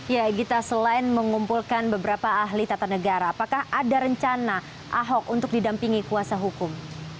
ya gita selain mengumpulkan beberapa ahli tata negara apakah ada rencana ahok untuk didampingi kuasa hukum